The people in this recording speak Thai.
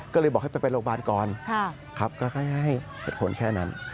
ก็เลยบอกให้ไปโรงพยาบาลก่อนครับก็ค่อยให้เหตุผลแค่นั้น